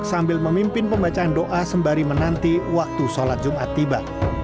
sambil memimpin pembacaan doa sembari menanti waktu sholat jumat tiba